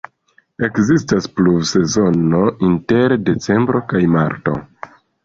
Ekzistas pluvsezono inter decembro kaj marto.